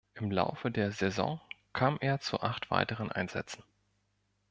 Im Laufe der Saison kam er zu acht weiteren Einsätzen.